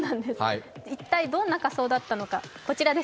一体、どんな仮装だったのか、こちらです。